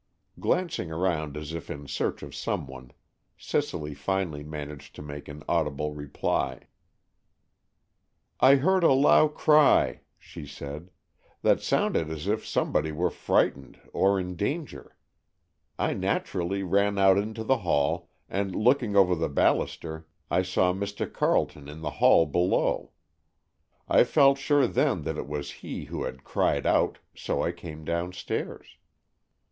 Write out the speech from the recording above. Glancing around as if in search of some one, Cicely finally managed to make an audible reply. "I heard a loud cry," she said, "that sounded as if somebody were frightened or in danger. I naturally ran out into the hall, and, looking over the baluster, I saw Mr. Carleton in the hall below. I felt sure then that it was he who had cried out, so I came downstairs."